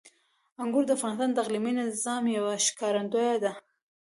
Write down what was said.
انګور د افغانستان د اقلیمي نظام یوه ښکارندوی ده.